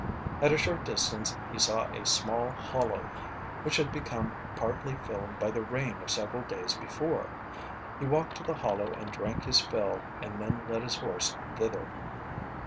At a short distance he saw a small hollow which had become partly filled by the rain of several days before. He walked to the hollow and drank his fill and then led his horse thither.